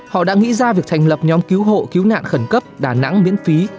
họ đã nghĩ ra việc thành lập nhóm cứu hộ cứu nạn khẩn cấp đà nẵng miễn phí